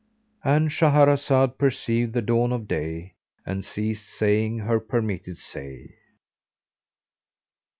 —And Shahrazad perceived the dawn of day and ceased saying her permitted say.